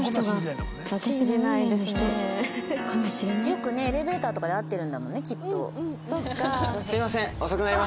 よくねエレベーターとかで会ってるんだもんねきっと。